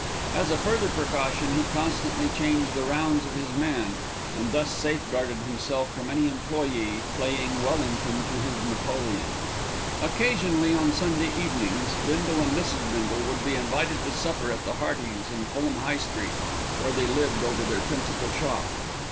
As a further precaution he constantly changed the rounds of his men, and thus safeguarded himself from any employé playing Wellington to his Napoleon. Occasionally on Sunday evenings Bindle and Mrs. Bindle would be invited to supper at the Heartys' in Fulham High Street, where they lived over their principal shop.